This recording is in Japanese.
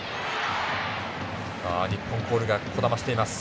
日本コールがこだましています。